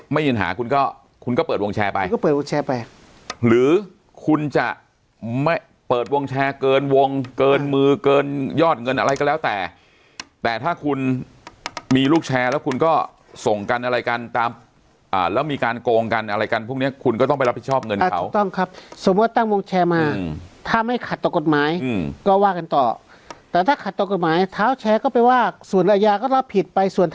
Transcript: ไม่ยินหาคุณก็คุณก็เปิดวงแชร์ไปก็เปิดวงแชร์ไปหรือคุณจะไม่เปิดวงแชร์เกินวงเกินมือเกินยอดเงินอะไรก็แล้วแต่แต่ถ้าคุณมีลูกแชร์แล้วคุณก็ส่งกันอะไรกันตามอ่าแล้วมีการโกงกันอะไรกันพรุ่งเนี้ยคุณก็ต้องไปรับผิดชอบเงินเขาถูกต้องครับสมมติว่าตั้งวงแชร์มาอืมถ้าไม่ขัดต่อกฎ